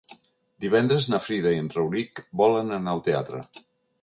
Divendres na Frida i en Rauric volen anar al teatre.